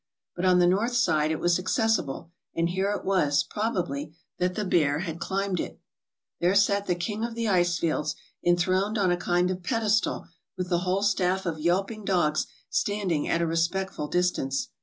But on the north side it was accessible, and here it was, probably, that the bear had climbed it. There sat the King of the Icefields, enthroned on a kind of pedestal, with the whole staff of yelping dogs standing at a respectful distance.